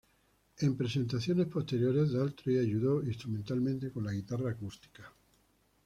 En presentaciones posteriores, Daltrey ayudó instrumentalmente con la guitarra acústica.